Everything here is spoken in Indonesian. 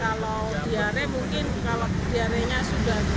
kalau diare mungkin kalau diarenya sudah terlalu kebebikan